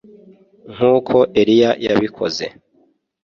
nk’uko eliya yabikoze